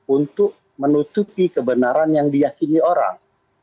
untuk menutupi kebenaran yang diyakini orang